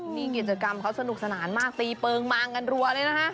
นี่กิจกรรมเขาสนุกสนานมากตีเปิงมางกันรัวเลยนะฮะ